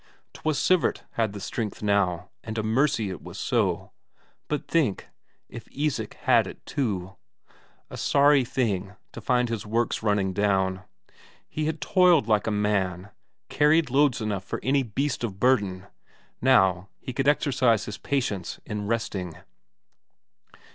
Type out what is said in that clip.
'Twas Sivert had the strength now, and a mercy it was so but think, if Isak had had it too! A sorry thing, to find his works running down. He had toiled like a man, carrying loads enough for any beast of burden; now, he could exercise his patience in resting.